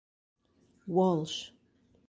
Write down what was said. Walsh.